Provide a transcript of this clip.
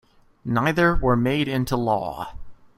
Neither were made into law.